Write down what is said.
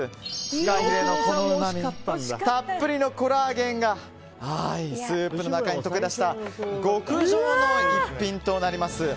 フカヒレのうまみたっぷりのコラーゲンがスープの中に溶けだした極上の逸品となります。